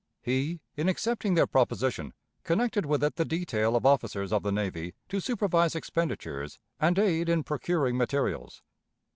He, in accepting their proposition, connected with it the detail of officers of the navy to supervise expenditures and aid in procuring materials.